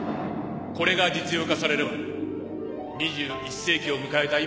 これが実用化されれば２１世紀を迎えた